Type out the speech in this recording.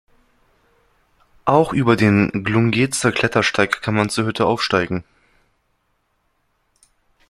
Auch über den "Glungezer-Klettersteig" kann man zur Hütte aufsteigen.